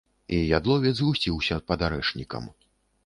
І ядловец гусціўся пад арэшнікам.